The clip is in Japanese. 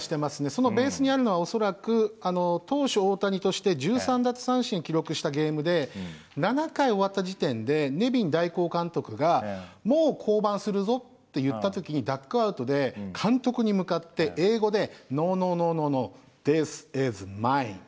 そのベースにあるのは恐らく投手大谷として１３奪三振記録したゲームで７回終わった時点でネビン代行監督がもう降板するぞって言った時にダッグアウトで監督に向かって英語で「ノーノーノーノーノーディスイズマイン」